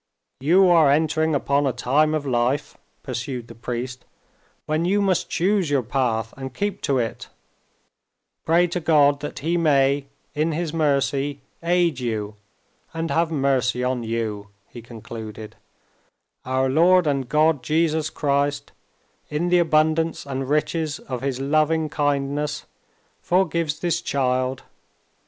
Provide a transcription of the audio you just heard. "You are entering upon a time of life," pursued the priest, "when you must choose your path and keep to it. Pray to God that He may in His mercy aid you and have mercy on you!" he concluded. "Our Lord and God, Jesus Christ, in the abundance and riches of His loving kindness, forgives this child...."